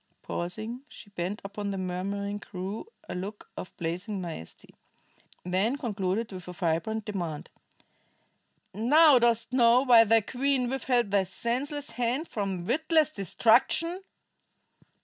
Pausing, she bent upon the murmuring crew a look of blazing majesty; then concluded with a vibrant demand: "Now dost know why thy queen withheld thy senseless hands from witless destruction?"